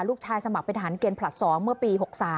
สมัครเป็นทหารเกณฑ์ผลัด๒เมื่อปี๖๓